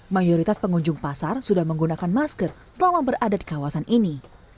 mayoritas pengunjung pasar sudah menggunakan masker selama berada di kawasan ini